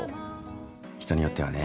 人によってはね